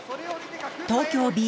東京Ｂ